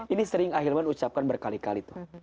ini sering ahilman ucapkan berkali kali tuh